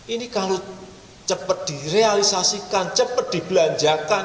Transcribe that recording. ini kalau cepat direalisasikan cepat dibelanjakan